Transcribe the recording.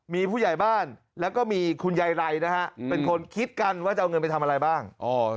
มีผู้ใหญ่บ้านแล้วก็มีคุณยายไรนะฮะเป็นคนคิดกันว่าจะเอาเงินไปทำอะไรบ้าง